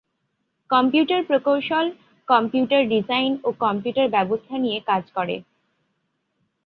Computer প্রকৌশল computer design ও computer ব্যবস্থা নিয়ে কাজ করে।